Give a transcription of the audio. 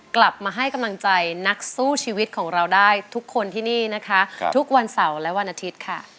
กลับมาให้กำลังใจนักสู้ชีวิตของเราได้ทุกคนที่นี่นะคะทุกวันเสาร์และวันอาทิตย์ค่ะ